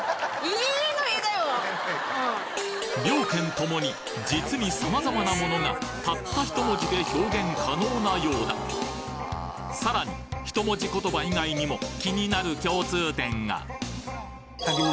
両県共に実に様々なものがたった１文字で表現可能なようださらに１文字言葉以外にもあ。